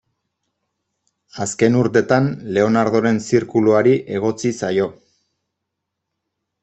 Azken urtetan Leonardoren zirkuluari egotzi zaio.